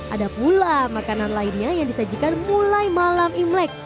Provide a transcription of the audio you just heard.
ada pula makanan lainnya yang disajikan mulai malam imlek